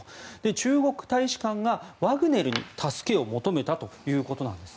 中国大使館がワグネルに助けを求めたということなんです。